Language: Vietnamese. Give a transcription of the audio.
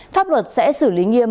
pháp luật sẽ xử lý nghiêm